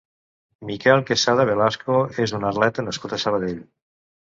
Miquel Quesada Velasco és un atleta nascut a Sabadell.